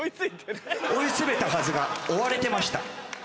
追い詰めたはずが追われてました。